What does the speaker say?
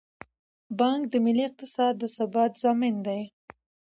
بانک د ملي اقتصاد د ثبات ضامن دی.